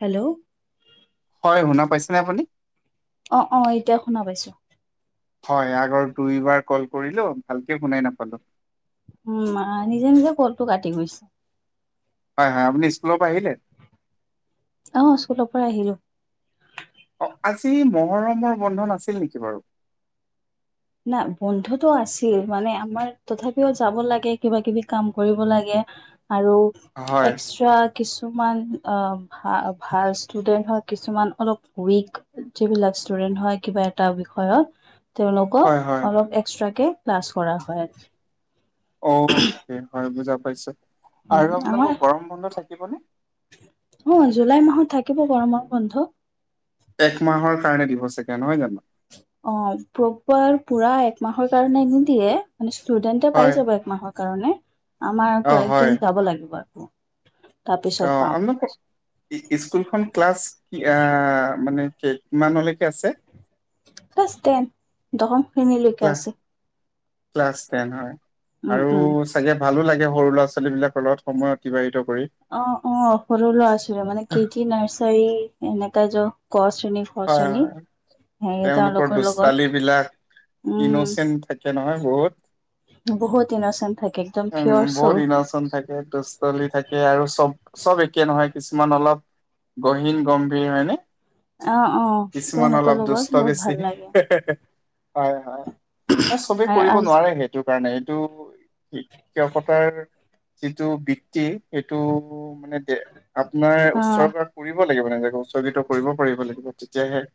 Hello, হয়, শুনা পাইছেনে আপুনি। অ, অ, এতিয়া শুনা পাইছো। হয়, আগৰ দুইবাৰ ক'ল কৰিলো ভালকে শুনাই নাপালো। উম, মা নিজে নিজে কলটো কাটি গৈছে। হা, আপুনি স্কুলৰ পৰা আহিলে। অহ, স্কুলৰ পৰা আহিলো। অ, আজি মহৰমৰ বন্ধ নাছিল নেকি বাৰু। না, বন্ধতটো আছে। মানে আমাৰ, তথাপিও যাব লাগে, কিবা কিবি কাম কৰিব লাগে। আৰু হয় এক্সট্ৰা কিছুমান, অ', ভা ভাল ষ্টুডেন্ট হয়, কিছুমান অলপ উইক। যিবিলাক ষ্টুডেণ্ট হয়, কিবা এটা বিষয়ত তেওঁলোক হয় হয় অলপ এক্সট্ৰাকে, ক্লাছ কৰা হয়। অ', [unintelligible] বুজা পাইছোঁ। আৰু আমাৰ আপোনালোকৰ গৰম বন্ধ থাকিবনে? অ', জুলাই মাহত থাকিব, গৰমৰ বন্ধ। এক মাহৰ কাৰণে দিব চাগে, নহয় জানো? অ', প্ৰপাৰ পুৰা একমাহৰ কাৰণে নিদিয়ে, মানে ষ্টুডেন্টে হয় পাই যাব একমাহৰ। কাৰণে, আমাৰ অ আকৌ হয় একদিন যাব লাগিব, আকৌ। তাৰপিছত অ', পাম আপনোকৰ স্কুলখন ক্লাছ কি, আহ, মানে [unintelligible] কিমানৰ লৈকে আছে? ক্লাছ টেন, দশম ক্লা শ্ৰেণীলৈকে আছে। ক্লাছ টেন হয়, উম আৰু উম চাগে ভালো লাগে সৰু ল'ৰা-ছোৱালী বিলাকৰ লগত, সময় অতিবাহিত কৰি। অ', অ', সৰু লৰা-ছোৱালী, মানে, কেটি নাৰ্চাৰী এনেকা য' কচ শ্ৰেণী, খ' হয় হয় শ্ৰেণী। হেৰি তেওঁলোকৰ লগত দুষ্টালিবিলাক, উম ইন'চেণ্ট থাকে নহয় বহুত। বহুত ইন'চেন্ট। থাকে একদম উম, পিয়ৰ বহুত চল ইন'চেণ্ট থাকে, দুষ্টালি থাকে আৰু চব-চব, একে নহয় কিছুমান অলপ, গহীন গম্ভীৰ হয়নে? অ অ কিছুমান তেওঁলোকৰ অলপ, লগত দুষ্ট বহুত বেছি। ভাল লাগে হয়, হয়, চবে আৰু কৰিব আজ নোৱাৰে সেইটো কাৰণে, এইটো শিক্ষকতাৰ, যিটো বৃত্তি সেইটো মানে দে আপোনাৰ, অ উৎসৰ্গা কৰিব লাগিব। [unintelligible] উৎসৰ্গিত কৰিব পাৰিব লাগিব, তেতিয়াহে।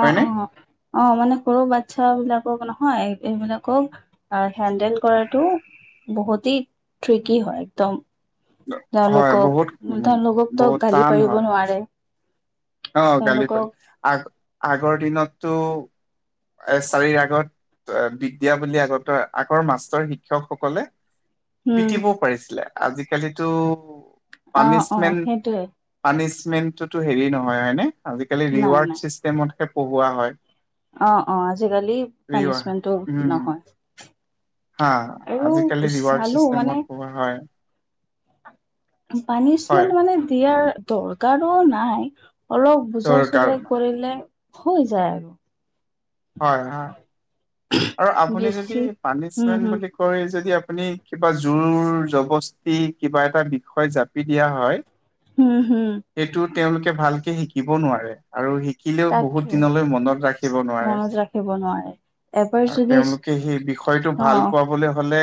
অ', হয়নে অ', অ', মানে সৰু বাচ্ছা বিলাকো মানে হয়, এইবিলাকক আ, হেণ্ডেল কৰাটো বহুতেই, ট্ৰিকি হয়, একদম। হয় তেওঁলোকক, বহুত উ তেওঁলোককতো, বহুত গালি টান হয় পাৰিব নোৱাৰে। অ', গালি পাৰি, তেওঁলোকক আগ-আগৰ দিনতটো এচাৰিৰ আগত অ', বিদ্যা বুলি আগতে, আগৰ মাষ্টৰ শিক্ষকসকলে উম পিটিবও পাৰিছিলে, আজিকালিটো অ অ পানিছমেণ্ট, সেইটোৱে পানিছ মেণ্টটুটু হেৰী নহয় হয়নে, আজিকালি নাই নাই ৰীৱাৰ্ড চিষ্টেমত হে পঢ়ুৱা হয়। অ', অ', আজিকালি, ৰিৱাৰ পানিচমেণ্টটো উম নহয়। হা, আৰু আজিকালি ৰিৱাৰ্ড চালো মানে চিষ্টেমত পঢ়ুৱা হয়। হয় পানিচমেণ্ট মানে, দিয়াৰ দৰকাৰো নাই। অলপ বুজাই দৰকাৰ চুজাই কৰিলে, হৈ যায় আৰু। হয় হয়, আৰু আপুনি বেছি যদি উম পানিছমেন্ত হম বুলি কৈ, যদি আ আপুনি কিবা জোৰ, জবস্তি কিবা এটা বিষয় জাপি দিয়া হয়। উম, উম। সেইটো তেওঁলোকে ভালকে শিকিব নোৱাৰে। আৰু শিকিলেও, তাকে বহুত দিনলৈ মনত ৰাখিব নোৱাৰে। মনত ৰাখিব নোৱাৰে এবাৰ আৰু যদি তেওঁলোকে সেই বিষয়টো, অ ভাল পাবলৈ হ লে,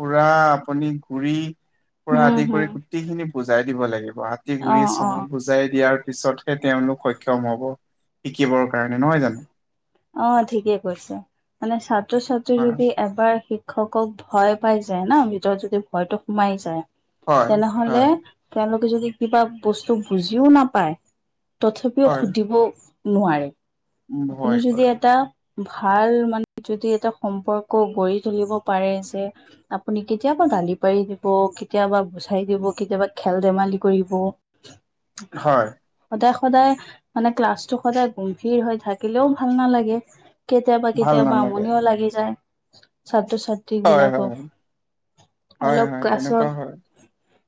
পুৰা আপুনি গুৰি পৰা হম আদি হম কৰি গুটিখিনি বুজাই দিব লাগিব, আতি অ গুৰি অ চব বুজাই দিয়াৰ পিছতহে, তেওঁলোক সক্ষম হব, শিকিবৰ কাৰণে, নহয় জানো? অ', ঠিকে কৈছে, মানে ছাত্ৰ ছাত্ৰী হয় যদি এবাৰ শিক শিক্ষকক ভয় পাই যায় ন', ভিতৰত যদি ভয়তটো সোমাই যায় হয় তেনেহলে, হয় তেওঁলোকে যদি কিবা বস্তু বুজিও নাপায় তথাপিও সুধিব নোৱাৰে। উ ভয় কৰে। এ, ভাল মানে যদি এটা সম্পৰ্ক গঢ়ি তুলিব পাৰে যে আপুনি কি কেতিয়াবা গালি পাৰি দিব কেতিয়াবা গুচাই দিব কেতিয়াবা খেল ধেমালি কৰিব হয় সদায় সদায় মানে ক্লাছটো সদায় গমভিৰ হৈ থাকিলেও ভাল নালাগে। কেতিয়াবা ভাল কেতিয়াবা নালাগে আমনিও লাগি যায়। হয় হয় ছাত্ৰ-ছাত্ৰীবিলাকক হয় অলপ হয় ক্লাছত তেনেকুৱা হয়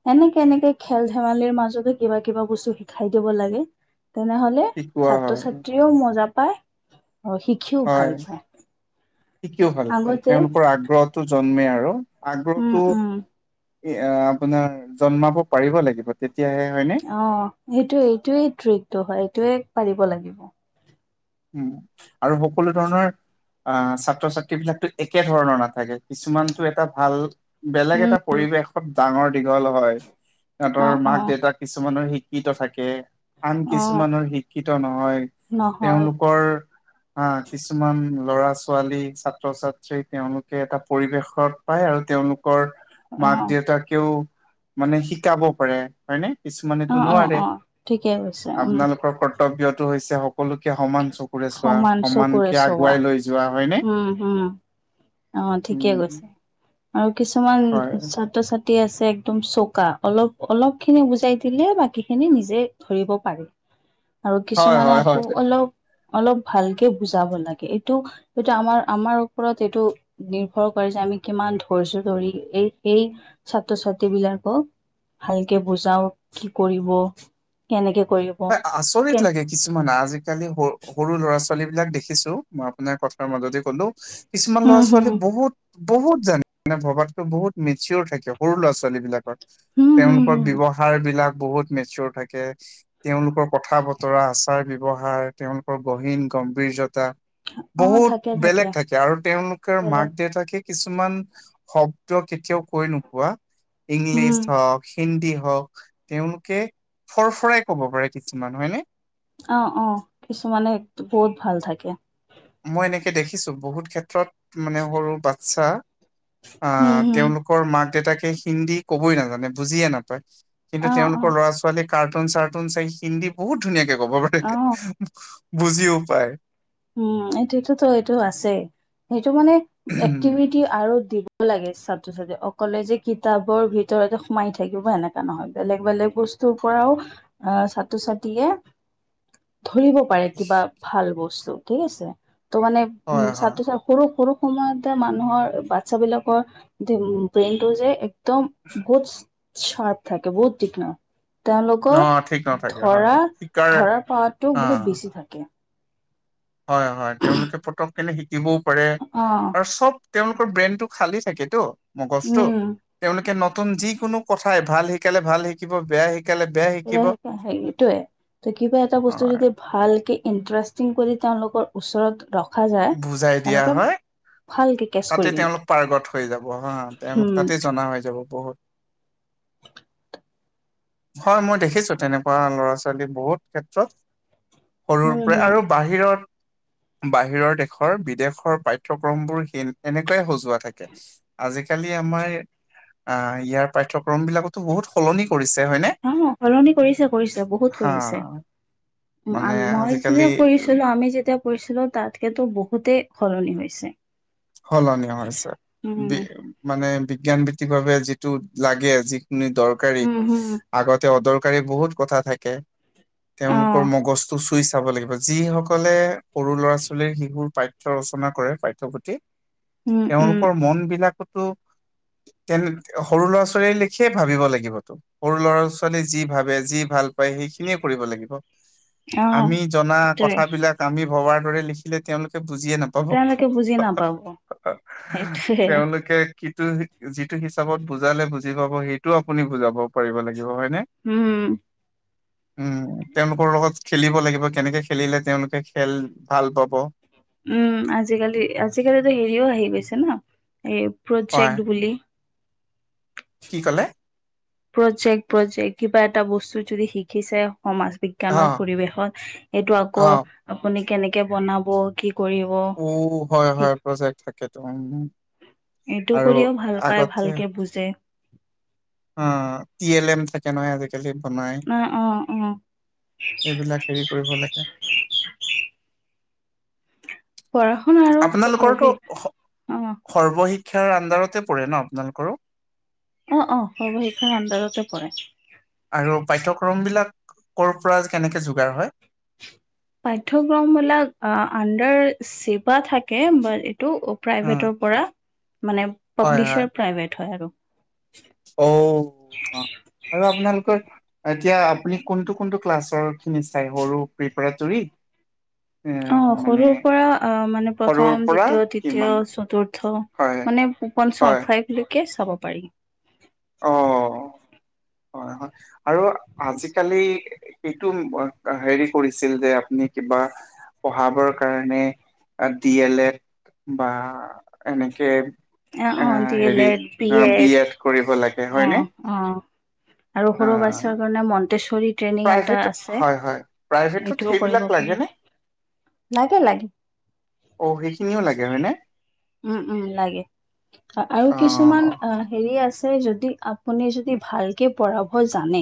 সেনেকে এনেকে খেল ধেমালিৰ মাজত কিবা কিবা বস্তু শিকাই দিব লাগে। তেনেহলে শিকোৱা হয় ছাত্ৰ-ছাত্ৰীও মজা পায়। অ শিকিও হয় ভাল পায়। শিকিও ভাল পায়। আগতে তেওঁলোকৰ আগ্ৰহটো জন্মে আৰু উম আগ্ৰহটো উম আপোনাৰ জন্মাব পাৰিব লাগিব তেত অ, এইটো এইটোয়েই ট্ৰিকটো হয় এইটোৱে পাৰিব লাগিব। উম আৰু সকলো ধৰণৰ আহ ছাত্ৰ-ছাত্ৰীবিলাকতো একে ধৰণৰ নাথাকে কিছুমানটো এটা ভাল বেলেগ উম এটা পৰিৱেশত ডাঙৰ দীঘল হয়। অ সেহঁতৰ অ মাক দেউতাক কিছুমানৰ শিক শিক্ষিত থাকে আন অ কিছুমানৰ শিক্ষিত নহয়। নহয় তেওঁলোকৰ অ', কিছুমান লৰা ছোৱালী ছাত্ৰ ছাত্ৰী তেওঁলোকে এটা পৰিৱেশত পায়। আৰু তেওঁলোকৰ অ মাক দেউতাকেও মানে শিক শিকাব পাৰে হয়নে অ কিছুমানেতো অ নোৱাৰে অ ঠিকে কৈছে উম। আপোনালোকৰ কৰ্তব্যত টো হৈছে সকলোকে সমান চকুৰে চোৱা সমান চকুৰে সমানকে চোৱা আগুৱাই লৈ যোৱা হয়নে উম হম অ ঠিকে উম কৈছে আৰু কিছুমান হয় ছাত্ৰ-ছাত তী আছে একদম চৌকা অলপ অলপখিনি বুজাই দিলে বাকীখিনি নিজে ধৰিব পাৰি। [inaudible] আৰু হয় কিছুমানে হয় আকৌ হয় অলপ অলপ ভালকে বুজাব লাগে। এইটো-এইটো আমাৰ-আমাৰ ওপৰত এইটো নিৰ্ভৰ কৰে যে আমি কিমান ধৰিছো ধৰি এই সেই ছাত্ৰ ছাত্ৰী বিলাকক ভালকে বুজাও কি কৰিব কেনেকে কৰিব হয় আচৰিত কে লাগে কিছুমানে আজিালি আজ কালি সৰু সৰু ল'ৰা ছোৱালী বিলাক দেখিছো মই আপোনাৰ কথাৰ মাজতে কলো কিছুমান ল'ৰা হম হম ছোৱালী বহুত বহুত জানে মানে ভবাকতো বহুত মিচিয়ৰ থাকে। সৰু ল'ৰা ছোৱালী বিলাকৰ হম হম তেওঁলোকৰ হম ব্যয়ৱহাৰ বিলাক বহুত মেচুৰ থাকে। তেওঁলোকৰ কথা বতৰা আচাৰ ব্যৱহাৰ তেওঁলোকৰ গহীন গম্ভীৰত অ বহুত থাকে বেলেগ থাকে, আৰু তেওঁলোকৰ মাক বেলেগ দেউতাকিক কিছুমান শব্দ কেতিয়াও কৈ নোপোৱা উম ইংলিছ হওক হিন্দী হওক তেওঁলোকে ফৰফৰাই ক'ব পাৰে কিছুমান হয়নে? অ', অ', কিছুমানে বহুত ভাল থাকে। মই এনেকে দেখিছো, বহুত ক্ষেত্ৰত মানে সৰু বাচ্ছা উম আহ, হম তেওঁলোকৰ মাক দেউতাকে হিন্দী কবই নাজানে বুজিয়ে নাপায়। কিন্তু অ অ তেওঁলোকৰ ল'ৰা ছোৱালীয়ে কাৰ্টুন চাৰ্টুন চাই হিন্দী বহুত ধুনীয়াকে কব পাৰে অ বুজিও পায়। উ, সটোটোতো এইটো আছেই সেইটো মানে এক্টিভিটি আৰু দিব লাগে ছাত্ৰ ছাত্ৰী অকলে যে কিতাপৰ ভিতৰতে সোমাই থাকিব সেনেকা নহয় বেলেগ-বেলেগ বস্তু বস্তুৰ পৰাও আহ ছাত্ৰ ছাত্ৰীয়ে [inaudible] ধৰিব পাৰে কিবা ভাল বস্তু ঠিক আছে ত' মানে উ হয় হয় ছাত্ৰ-ছাত্ৰ সৰু-সৰু সময়তে মানুহৰ বাচ্ছা বিলাকৰ ব্ৰেইন টো যে এক্দম বুত স্বাদ থাকে, বহুত তীক্ষ্ণ। অ তেওঁলোকৰ ঠিক নাথাকে হয় ধৰা শিকাৰ ধৰাৰ পটো অ বহুত বেছি থাকে। হয়, হয় তেওঁলোকে পতক কেনে শিকিবও পাৰে অ আৰু চব তেওঁলোক ব্ৰেইন টো খালি থাকেতো মগজটো উম তেওঁলোকে নতুন যিকোনো কথাই ভাল শিকালে ভাল শিকিব বেয়াই সেইটোৱে ত কিবা এটা অ বস্তু যদি ভালকে ইণ্টাৰেষ্টিং কৰি তেওঁলোকৰ ওচৰত ৰখ বুজাই দিয়া হয়। ভালকে কেচ তাতে কৰি লয় তেওঁলোক পাৰ্গত হৈ যাব হা তেওঁলোক উম তাতে জনা হৈ যাব বহুত। হয় মই দেখিছো, তেনেকুৱা ল'ৰা-ছোৱালী বহুত ক্ষেত্ৰত সৰুৰ পৰাই উম আৰু বাহিৰত বাহিৰত দেশৰ বিদেশৰ পাঠ্যক্ৰমবোৰ সেনেকৈ সজোৱা থাকে আজি কালি আমাৰ আহ ইয়াৰ পাঠ্যক্ৰম বিলাকতো বহুত সলনি কৰিছে। হয়নে অ', সলনি কৰিছে কৰিছে বহুত হা কৰিছে। মানে মই আজিকালি শ্ৰীত পঢ়িছিলোঁ আমি যেতিয়া পঢ়িছিলো তাতকে টো বহুতেই সলনি হৈছে। সলনী হৈছে বি উম। মানে বিজ্ঞান ভিত্তিকভাৱে যিটো লাগে যি খিনি দৰকাৰী উম হুম। আগতে অদৰকাৰী বহুত কথা থাকে। তেওঁলোকৰ অ', মগজটো চুইছে চাব লাগিব যি সকলে সৰু ল'ৰা ছোৱালীৰ শিশুৰ পাঠ্য ৰচনা কৰে পাঠ্যপুঠি উম উম তেওঁলোকৰ মন বিলাকতো তেন সৰু ল'ৰা-ছোৱালী লেখীয়া ভাবিব লাগিবতো, সৰু ল'ৰা-ছোৱালী যি ভাবে যি ভাল সেই খিনিয়ে কৰিব লাগিব অ', আমি জনা সেইটোৱে কথা বিলাক আমি ভবাৰ দৰে লিখিলে তেওঁলোকে বুজিয়ে নাপাব। তেওঁলোকে বুজি নাপাব। সেইটোৱে তেওঁলোকে সিটো যিটো হিচাপত বুজালে বুজি পাব সেইটোও আপুনি বুজাব পাৰিব লাগিব। হয়নে উম। উম তেওঁলোকৰ লগত খেলিব লাগিব, কেনেকে খেলিলে তেওঁলোকে খেল ভাল পাব। উম আজিকালি আজিকাটো হেৰিও আহি গৈছে ন এই হয়, প্ৰজেক্ট বুলি। কি ক'লে? প্ৰজেক্ট প্ৰজেক্ট কিবা এটা বস্তু যদি শিকিছে সমাজ অ, বিজ্ঞানত, পৰিৱেশত এইটো অ, আকৌ আপুনি কেনেকে বনাব কি কৰিব। ঔ হয় সেই- হয় প্ৰজেক্ট থাকেটো উম। এইটো আৰু কৰিও ভাল পায় ভালকে বুজে। অঁ ই এল এম থাকে নহয় আজিকালি। বনাই নাই অঁ অঁ। এইবিলাক হেৰি কৰিব লাগে। পঢ়া শুনা আৰু অ', বি আপোনালোকৰটো অ', সৰ্বশিক্ষাৰ আণ্ডাৰতে পৰে ন আপোনালোকৰো? অ অ সৰ্বশিক্ষাৰ আণ্ডাৰতে পৰে। আৰু পাঠ্যক্ৰম বিলাক ক'ৰ পৰা কেনেকে যোগাৰ হয়? পাঠ্যক্ৰম বিলাক আণ্ডাৰ ছেবা থাকে বা ই টো উম, প্ৰাইভেটৰ পৰা মানে হয়, হয়, পাব্লিচাৰ প্ৰাইভেট হয় আৰু। অ অ আৰু আপোনালোকৰ এতিয়া আপুনি কোনটো কোনটো ক্লাছৰ খিনি চাই সৰু প্ৰিপেটোৰি? অ সৰুৰ পৰা আহ মানে সৰুৰ প্ৰথম পৰা দ্বিতীয়, কিমান? তৃতীয়, চতুৰ্থ হয়, মানে হয়। পঞ্চম ফাইভলৈকে চাব পাৰি। অ। হয় হয় আৰু আজিকালি এইটো হেৰি কৰিছিল যে আপুনি বা পঢ়াবৰ কাৰণে আ ডি এল এড বা এনেকে আহ এ অ ডি এল হেৰি এড, বি এড কৰিব লাগে অ হয়নে? অ। আৰু সৰু অ', বাচ্ছাৰ কাৰণে মন্তেশ্বৰী ট্ৰেইনিং এটা প্ৰাইভেট আছে। হয় হয় প্ৰাইভেটত এইটোও কৰিব সেইবিলাক পাৰে লাগে নে? অ সেইখিনিও লাগে হয়নে? উম উম লাগে আৰু কিছুমান অ হেৰি আছে যদি আপুনি যদি ভালকে পঢ়াব জানে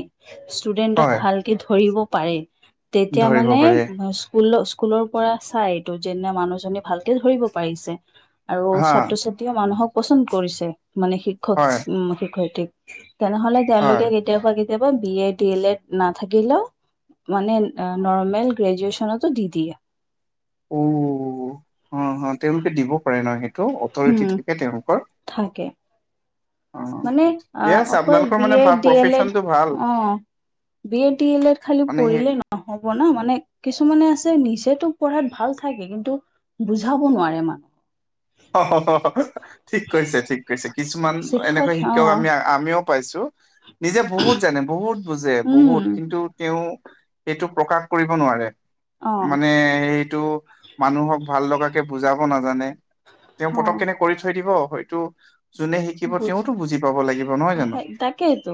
ষ্টুেডেন্টক হয় ভালকে ধৰিব পাৰে তেতিয়া ধৰিব মানে পাৰে স্কুলৰ স্কুলৰ পৰা চাই এইটো যেনে মানুহজনী ভালকে ধৰিব পাৰিছে। আৰু হা ছাত্ৰ ছাত্ৰীয়ে মানুহক পচন্দ কৰিছে মানে শিক্ষক হয়, উ শিক্ষয়িত্ৰীক। তেনেহলে হয় তেওঁলোকে কেতিয়াবা কেতিয়াবা B Ed D L Ed নাথাকিলেও মানে নৰ্মেল গ্ৰেজুয়চনতো দি দিয়ে অ অ অ তেওঁলোকে দিব পাৰে ন সেইটো অথৰিটি উম থাকে তেওঁলোকৰ। থাকে অ'। মানে আ ঠিকে আছে অকল আপোনালোকৰ বি মানে এ ভাল ডি এল এ প্ৰফেচনটো ভাল অঁ। B Ed D L Ed খালি মানে সেই পঢ়িলেটৈ নহব ন মানে কিছুমানে আছে নিজেতো পঢ়াত ভাল থাকে কিন্তু বুজাব নোৱাৰে মানুহ অ ঠিক কৈছে ঠিক কৈছে কিছুমান এনেকা শিক্ষক আমি আমিও পাইছো নিজে বহুত জানে বহুত বুজে বহুত উম কিন্তু তেওঁ সেইটো প্ৰকাশ কৰিব নোৱাৰে অ মানে সেইটো মানুহক ভাল লগাকে বুজাব নাজানে তেওঁ অ পতক কেনে কৰি থৈ দিব হয়টো যোনে শিকিব বুজ তেওঁতো অ বুজি পাব লাগিব নহয় জানো। সেই তাকেইতো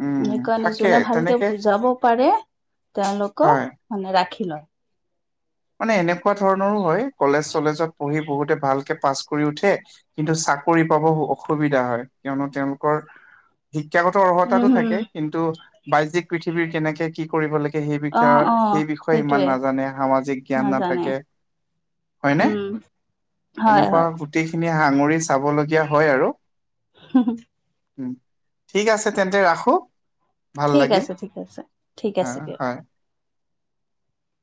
উম সেইকাৰণে থাকে যোনে ভালকে তেনেকে বুজাব পাৰে তেওঁলোকক হয় মানে ৰাখি [unintelligible] মানে এনেকুৱা ধৰণৰো হয় কলেজ চলেজত পঢ়ি বহুতে ভালকে পাছ কৰি উঠে কিন্তু চাকৰি পাব অসুবিধা হয় কিয়নো তেওঁলোকৰ শিক্ষাগত উম অৰ্হতাটো হম থাকে কিন্তু বাহ্যিক পৃথিৱীৰ কেনেকে কি কৰিব লাগিব সে-সেই অ অ বিষয়ে-সেই বিষয়ে ইমান সেইটোৱে নাজানে সামাজিক জ্ঞান নাজানে নাথাকে হয় নে উম হয় এনেকুৱা হয় গোটেইখিন সাঙুৰি চাবলগীয়া হয় আৰু উম ঠিক আছে তেন্তে ৰাখো ভাল ঠিক লাগিল আছে ঠিক আছে ঠিক হা আছে দিয়ক হয়